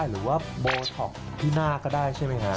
หรือว่าโบท็อปที่หน้าก็ได้ใช่ไหมฮะ